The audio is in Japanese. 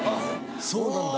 そうなんだ。